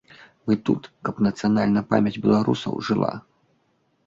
Мы тут, каб нацыянальная памяць беларусаў жыла.